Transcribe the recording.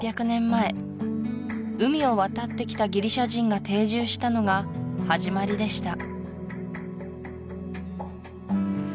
前海を渡ってきたギリシア人が定住したのが始まりでした